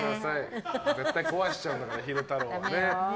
絶対壊しちゃうからね昼太郎はね。